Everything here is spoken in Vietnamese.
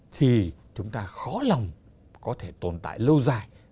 thì chúng ta khó lòng có thể tồn tại lâu dài